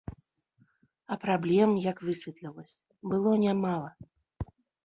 А праблем, як высветлілася, было нямала.